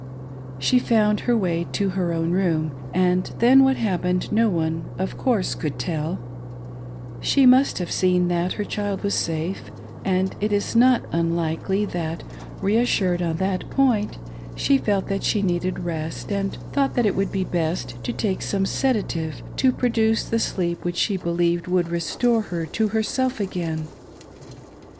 She found her way to her own room, and then what hap pened no one, of course, could teL She must have seen that her child was safe ; and it is not unlikely that, reassured on that point, she felt that she needed rest, and thought that it would be best to take some sedative to produce the sleep which she believed would restore her to herself again.